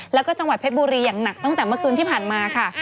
แล้วก็จังหวัดเพชรบุรีอย่างหนักตั้งแต่เมื่อคืนที่ผ่านมาค่ะ